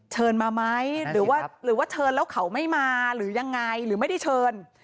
เชิญมาไหมหรือว่าหรือว่าเชิญแล้วเขาไม่มาหรือยังไงหรือไม่ได้เชิญ